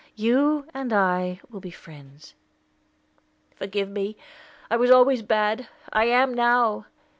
You and I will be friends." "Forgive me! I was always bad; I am now.